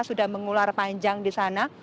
sudah mengular panjang di sana